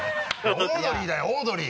オードリーだよオードリー！